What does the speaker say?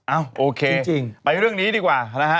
อ้าวโอเคไปเรื่องนี้ดีกว่านะฮะ